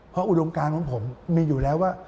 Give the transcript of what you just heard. เพราะอุดมการของผมมีอยู่แล้วว่า